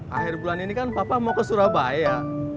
akhir bulan ini kan papa mau ke surabaya